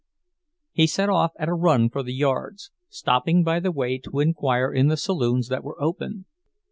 He set off at a run for the yards, stopping by the way to inquire in the saloons that were open.